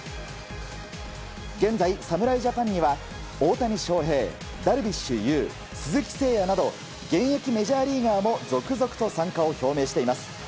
現在、侍ジャパンには大谷翔平、ダルビッシュ有鈴木誠也など現役メジャーリーガーも続々と参加を表明しています。